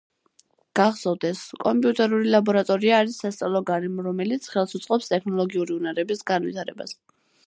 გახსოვდეს! კომპიუტერული ლაბორატორია არის სასწავლო გარემო, რომელიც ხელს უწყობს ტექნოლოგიური უნარების განვითარებას.